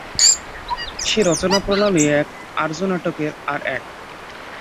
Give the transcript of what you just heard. সে রচনা-প্রণালী এক, আর্যনাটকের আর এক।